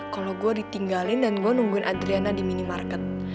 kalau gue ditinggalin dan gue nungguin adriana di minimarket